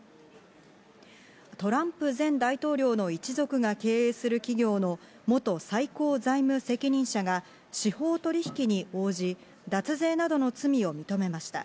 トランプ前大統領の一族が経営する企業の元最高財務責任者が司法取引に応じ、脱税の罪を認めました。